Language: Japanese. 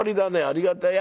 ありがたい。